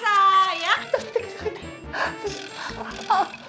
tunggu tunggu tunggu